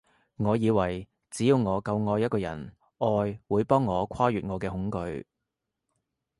我以為只要我夠愛一個人，愛會幫我跨越我嘅恐懼